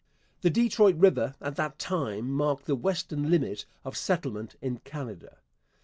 The Detroit river at that time marked the western limit of settlement in Canada.